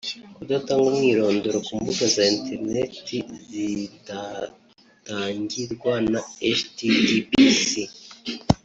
Kudatanga umwirondoro ku mbuga za internet zidatangirwa na “https